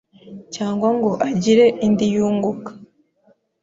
cyangwa ngo agire indi yunguka